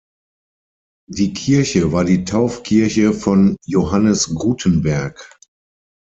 Die Kirche war die Taufkirche von Johannes Gutenberg.